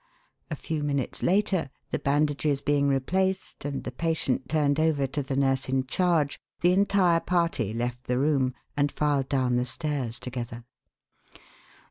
A few minutes later, the bandages being replaced and the patient turned over to the nurse in charge, the entire party left the room and filed down the stairs together.